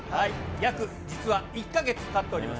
約、実は１か月たっております。